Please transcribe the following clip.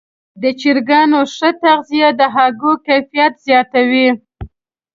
د چرګانو ښه تغذیه د هګیو کیفیت زیاتوي.